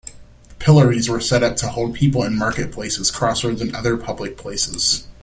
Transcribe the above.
Pillories were set up to hold people in marketplaces, crossroads, and other public places.